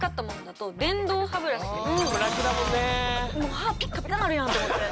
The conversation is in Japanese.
「歯ピッカピカなるやん」と思って。